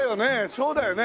そうだよね。